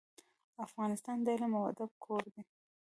افغانستان د علم او ادب کور دی.